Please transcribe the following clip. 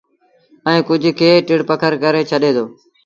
ائيٚݩٚ ڪجھ کي ٽڙ پکڙ ڪري ڇڏي دو۔